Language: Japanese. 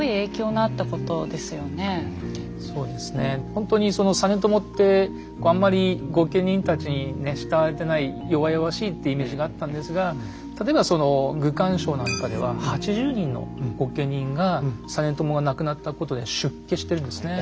ほんとに実朝ってあんまり御家人たちに慕われてない弱々しいってイメージがあったんですが例えば「愚管抄」なんかでは８０人の御家人が実朝が亡くなったことで出家してるんですね。